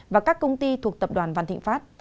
và các công ty thuộc tập đoàn vạn thịnh pháp